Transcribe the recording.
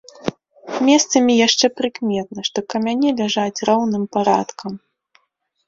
Месцамі яшчэ прыкметна, што камяні ляжаць роўным парадкам.